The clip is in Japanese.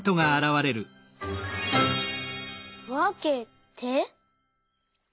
「わけて」？